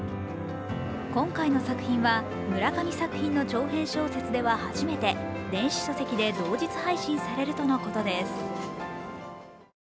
今回の作品は村上作品の長編小説では初めて電子書籍で同日配信されるとのことです。